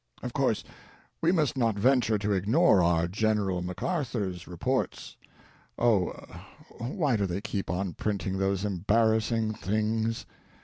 Of course, we must not venture to ignore our General Mac Arthur's reports — oh, why do they keep on printing those embar rassing things